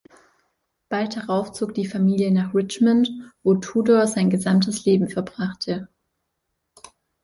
Bald darauf zog die Familie nach Richmond, wo Tudor sein gesamtes Leben verbrachte.